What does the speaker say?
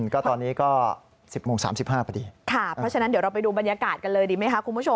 ก็ตอนนี้ก็๑๐โมง๓๕พอดีค่ะเพราะฉะนั้นเดี๋ยวเราไปดูบรรยากาศกันเลยดีไหมคะคุณผู้ชม